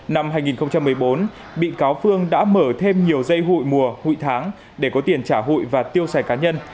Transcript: năm hai nghìn một mươi bốn bị cáo phương đã mở thêm nhiều dây hụi mùa hụi tháng để có tiền trả hụi và tiêu xài cá nhân